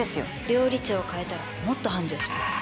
料理長を代えたらもっと繁盛します。